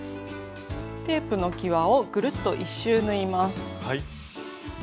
テープのきわをぐるっと１周縫います。